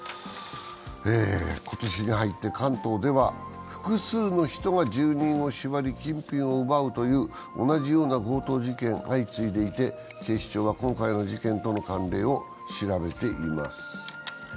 今年に入って関東では複数の人が住人を縛り金品を奪うという同じような強盗事件が相次いでいて警視庁は今回の事件との関連を調べています。